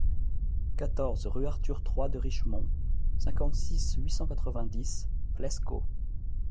quatorze rue Arthur trois de Richemond, cinquante-six, huit cent quatre-vingt-dix, Plescop